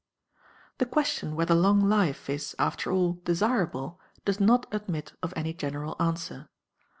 The question whether long life is, after all, desirable does not admit of any general answer.